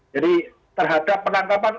jadi terhadap penangkapan